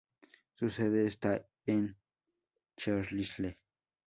Su sede está en Carlisle.